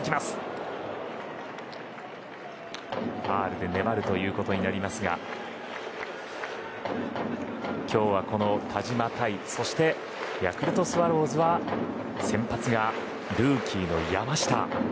ファウルで粘ることになりますが今日は田嶋に対しヤクルトスワローズは先発がルーキーの山下。